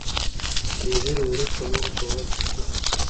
سپين ږيري وروسته نورو ته وويل چې چوپ شئ.